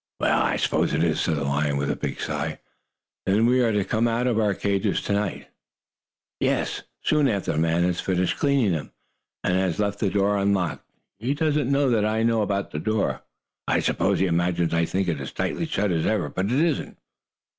"Well, I suppose it is," said the lion with a big sigh. "Then we are to come out of our cages to night?" "Yes, soon after the man has finished cleaning them, and has left the door unlocked. He does not know that I know about the door. I suppose he imagines I think it is as tightly shut as ever. But it isn't!"